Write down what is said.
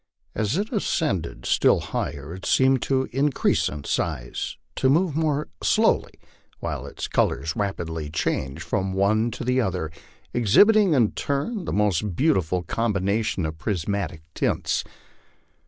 As it ascended Btili higher it seemed to increase in size, to move more slowly, while its colors rapidly changed from one to the other, exhibiting in turn the most beautiful combinations of prismatic tints.